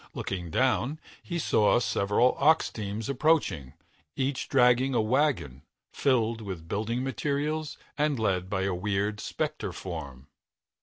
Looking down, he saw several ox teams approaching, each dragging a wagon filled with building materials and led by a weird spectre form.